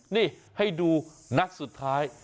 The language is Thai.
นี่ให้ดูนัดสุดท้าย